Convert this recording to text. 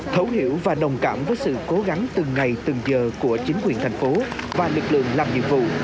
thấu hiểu và đồng cảm với sự cố gắng từng ngày từng giờ của chính quyền thành phố và lực lượng làm nhiệm vụ